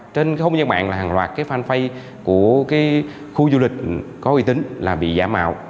trên không gian mạng là hàng loạt fanpage của khu du lịch có uy tín là bị giả mạo